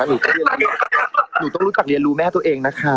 หนูต้องรู้จักเรียนรู้แม่ตัวเองนะคะ